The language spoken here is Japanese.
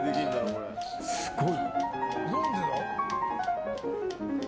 すごい。